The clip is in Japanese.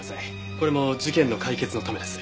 これも事件の解決のためです。